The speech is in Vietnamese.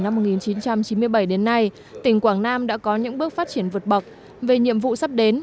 năm một nghìn chín trăm chín mươi bảy đến nay tỉnh quảng nam đã có những bước phát triển vượt bậc về nhiệm vụ sắp đến